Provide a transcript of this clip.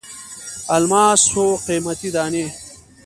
الماسو قیمتي دانې.